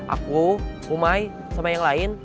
aku umai sama yang lain